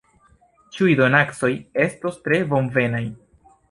Ĉiuj donacoj estos tre bonvenaj.